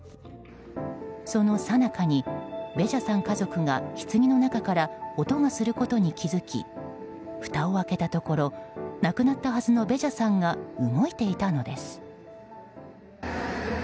その最中にベジャさん家族がひつぎの中から音がすることに気づきふたを開けたところ亡くなったはずのベジャさんが動いていたのです。